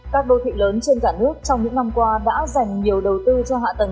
các đô thị lớn trên cả nước trong những năm qua đã dành nhiều đầu tư cho hạ tầng